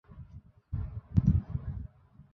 Fernandez অলক্ষিতভাবে উঠিয়া চলিয়া গেল।